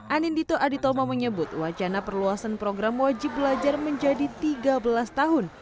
anindito aditomo menyebut wacana perluasan program wajib belajar menjadi tiga belas tahun